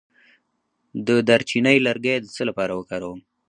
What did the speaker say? د دارچینی لرګی د څه لپاره وکاروم؟